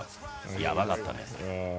やばかったね。